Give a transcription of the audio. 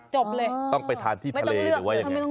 จบเลยต้องไปทานที่ทะเลหรือว่ายังไง